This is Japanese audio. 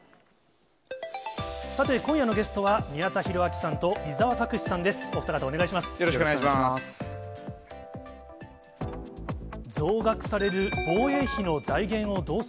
さて、今夜のゲストは宮田裕章さんと伊沢拓司さんです。